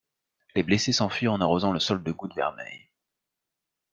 Les blessés s'enfuirent en arrosant le sol de gouttes vermeilles.